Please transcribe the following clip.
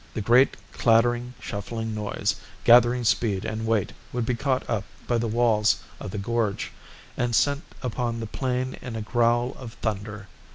The great clattering, shuffling noise, gathering speed and weight, would be caught up by the walls of the gorge, and sent upon the plain in a growl of thunder.